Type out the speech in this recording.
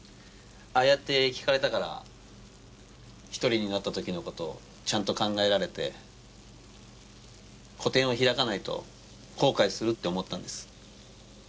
ああやって聞かれたから独りになったときのことをちゃんと考えられて個展を開かないと後悔するって思ったんです。